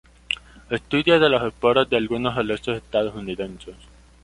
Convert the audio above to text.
Estudios de las esporas de algunos helechos estadounidenses.